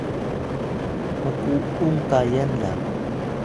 mku’ung kayan la